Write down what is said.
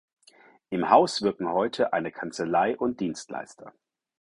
Im Haus wirken heute eine Kanzlei und Dienstleister.